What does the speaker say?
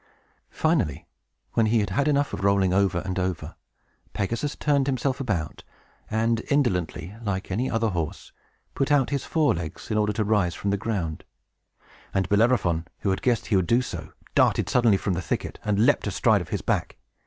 Finally, when he had had enough of rolling over and over, Pegasus turned himself about, and, indolently, like any other horse, put out his fore legs, in order to rise from the ground; and Bellerophon, who had guessed that he would do so, darted suddenly from the thicket, and leaped astride of his back.